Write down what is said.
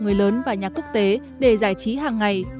người lớn và nhạc quốc tế để giải trí hàng ngày